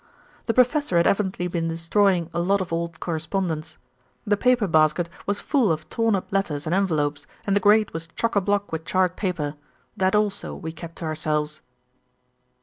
"The professor had evidently been destroying a lot of old correspondence. The paper basket was full of torn up letters and envelopes, and the grate was choc a bloc with charred paper. That also we kept to ourselves."